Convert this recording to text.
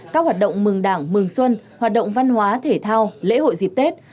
các hoạt động mừng đảng mừng xuân hoạt động văn hóa thể thao lễ hội dịp tết